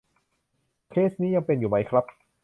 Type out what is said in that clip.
เคสนี้ยังเป็นอยู่ไหมครับ ?